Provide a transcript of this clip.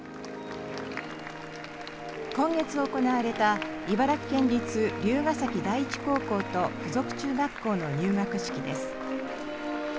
今月行われた、茨城県立竜ヶ崎第一高校と附属中学校の入学式です。